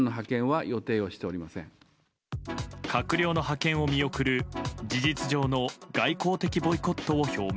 閣僚の派遣を見送る事実上の外交的ボイコットを表明。